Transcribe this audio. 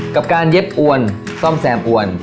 กับการเย็บอวนซ่อมแซมอวน